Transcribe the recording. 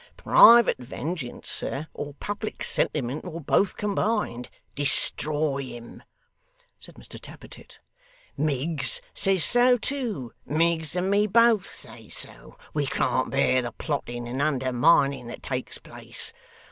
'Private vengeance, sir, or public sentiment, or both combined destroy him,' said Mr Tappertit. 'Miggs says so too. Miggs and me both say so. We can't bear the plotting and undermining that takes place.